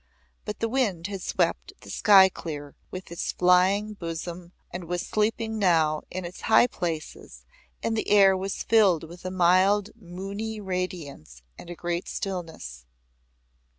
But the wind had swept the sky clear with its flying bosom and was sleeping now in its high places and the air was filled with a mild moony radiance and a great stillness.